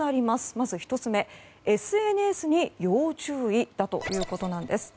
まず１つ目、ＳＮＳに要注意だということです。